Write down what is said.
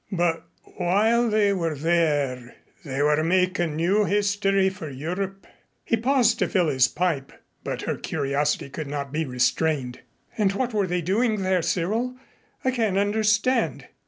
But while they were there they were makin' new history for Europe." He paused to fill his pipe but her curiosity could not be restrained. "And what were they doing there, Cyril? I can't understand."